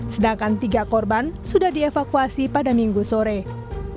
sedangkan tiga korban sudah dievakuasi pada minggu sore